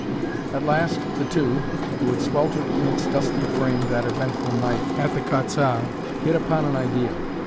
At last the two, who had sweltered in its dusty frame that eventful night of the "Quat'z' Arts," hit upon an idea.